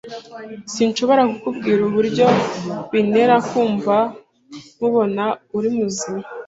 Sinshobora kukubwira uburyo bintera kumva nkubona uri muzima.